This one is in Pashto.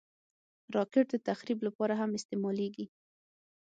راکټ د تخریب لپاره هم استعمالېږي